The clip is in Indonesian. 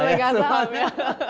pemegang saham ya